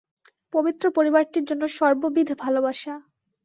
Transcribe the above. পবিত্র পরিবারটির জন্য সর্ববিধ ভালবাসা।